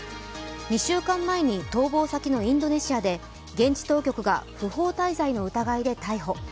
２週間前に逃亡先のインドネシアで現地当局が不法滞在の疑いで逮捕。